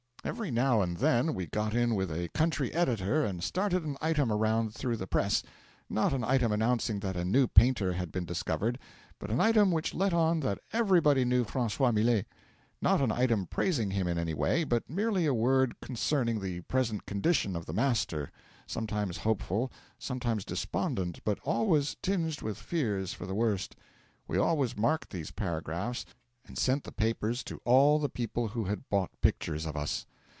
'Every now and then we got in with a country editor and started an item around through the press; not an item announcing that a new painter had been discovered, but an item which let on that everybody knew Francois Millet; not an item praising him in any way, but merely a word concerning the present condition of the "master" sometimes hopeful, sometimes despondent, but always tinged with fears for the worst. We always marked these paragraphs, and sent the papers to all the people who had bought pictures of us.